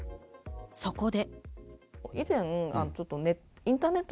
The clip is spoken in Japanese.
そこで。